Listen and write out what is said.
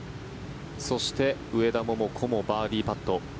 そして、上田桃子もバーディーパット。